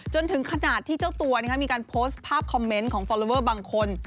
จนถึงขนาดที่เจ้าตัวมีการโพสต์ภาพคอมเมนต์ของฟอลลอเวอร์บางคน